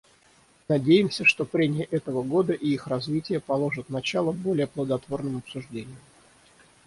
Надеемся, что прения этого года и их развитие положат начало более плодотворным обсуждениям.